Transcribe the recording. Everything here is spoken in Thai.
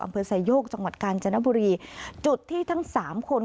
อำเภอไซโยกจังหวัดกาญจนบุรีจุดที่ทั้งสามคน